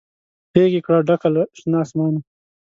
غیږ یې کړه ډکه له شنه اسمانه